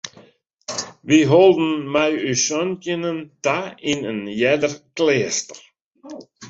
Wy holden mei ús santjinnen ta yn in earder kleaster.